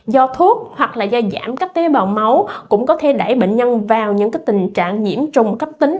do thuốc hoặc là do giảm các tế bào máu cũng có thể đẩy bệnh nhân vào những tình trạng nhiễm trùng cấp tính